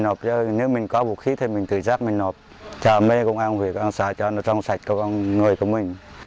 nếu mình có vũ khí thì mình tự dắt mình nộp cho mấy công an huyện an xã cho nó trong sạch của người của mình